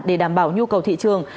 để đảm bảo nhu cầu thị trường